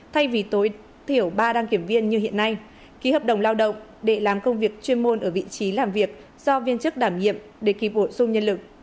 thay vì tối thiểu ba đăng kiểm viên như hiện nay ký hợp đồng lao động để làm công việc chuyên môn ở vị trí làm việc do viên chức đảm nhiệm để kịp bổ sung nhân lực